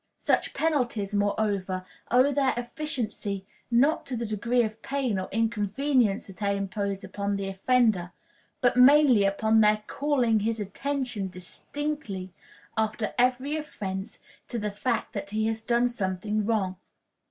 Such penalties, moreover, owe their efficiency not to the degree of pain or inconvenience that they impose upon the offender, but mainly upon their calling his attention, distinctly, after every offense, to the fact that he has done wrong.